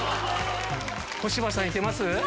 小芝さんいけます？